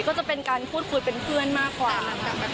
ก็จะเป็นการพูดคุยเป็นเพื่อนมากกว่า